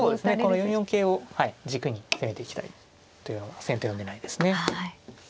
この４四桂を軸に攻めていきたいというのが先手の狙いですね。